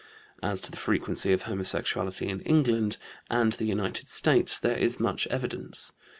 As to the frequency of homosexuality in England and the United States there is much evidence.